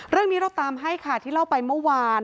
เรื่องนี้เราตามให้ค่ะที่เล่าไปเมื่อวาน